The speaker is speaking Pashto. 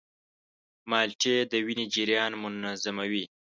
مالټې د وینې جریان منظموي.